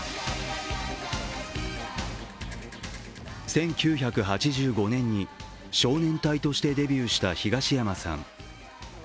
１９８５年に少年隊としてデビューした東山さん。